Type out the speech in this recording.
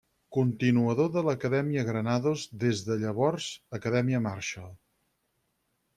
Continuador de l'Acadèmia Granados, des de llavors Acadèmia Marshall.